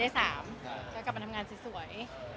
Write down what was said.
และไม่จากนี้กลับมาทำงานซวย